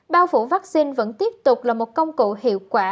bao phủ vaccine vẫn tiếp tục là một công cụ hiệu quả